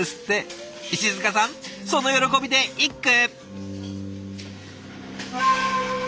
石塚さんその喜びで一句。